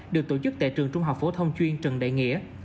được tổ chức tại trường trung học phổ thông chuyên trần đại nghĩa